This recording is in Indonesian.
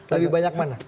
lebih banyak mana